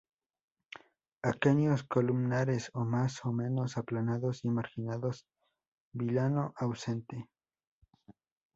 Aquenios columnares o más o menos aplanados y marginados; vilano ausente.